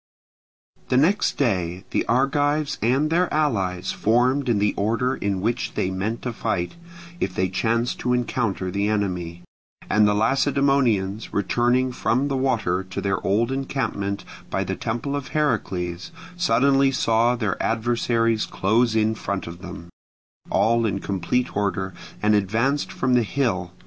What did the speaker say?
The next day the Argives and their allies formed in the order in which they meant to fight, if they chanced to encounter the enemy; and the Lacedaemonians returning from the water to their old encampment by the temple of Heracles, suddenly saw their adversaries close in front of them, all in complete order, and advanced from the hill.